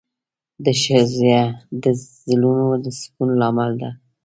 ښځه د زړونو د سکون لامل ده.